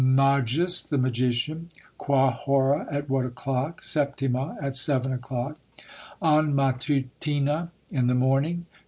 "Magus" (The magician). "Qua hora?" (At what o'clock?) "Septima" (At seven o'clock). "An matutina?" (In the morning?)